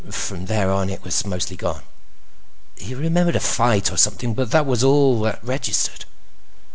From there on, it was mostly gone. He remembered a fight or something, but that was all that registered.